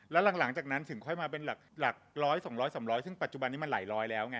แล้วหลังจากนั้นถึงค่อยมาเป็นหลักร้อย๒๐๐๓๐๐ซึ่งปัจจุบันนี้มันหลายร้อยแล้วไง